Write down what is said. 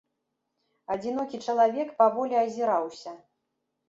Адзінокі чалавек паволі азіраўся.